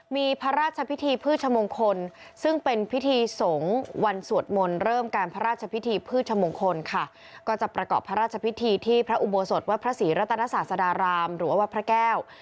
มีพระราชพิธีพืชมงคลซึ่งเป็นพิธีสงฆ์วันสวดมนต์เริ่มการพระราชพิธีพืชมงคลค่ะก็จะประกอบพระราชพิธีที่พระอุโบสถวัดพระศรีรัตนศาสดารามหรือว่าวัดพระแก้ว